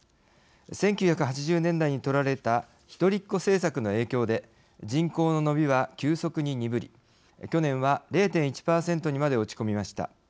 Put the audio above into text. １９８０年代にとられた一人っ子政策の影響で人口の伸びは急速に鈍り去年は０．１％にまで落ち込みました。